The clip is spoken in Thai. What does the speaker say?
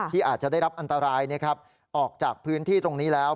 อาจจะได้รับอันตรายออกจากพื้นที่ตรงนี้แล้ว